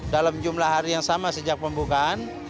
dalam jumlah hari yang sama sejak pembukaan